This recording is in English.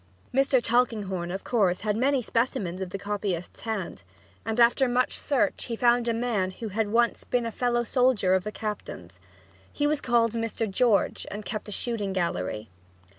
Mr. Tulkinghorn, of course, had many specimens of the copyist's hand, and after much search he found a man who had once been a fellow soldier of the captain's. He was called "Mr. George," and kept a shooting gallery.